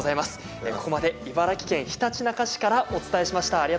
ここまで茨城県ひたちなか市からお伝えしました。